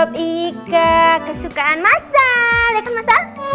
kika kesukaan masa liat kan masa amat